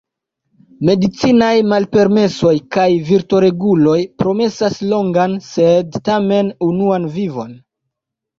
Medicinaj malpermesoj kaj virtoreguloj promesas longan sed tamen enuan vivon.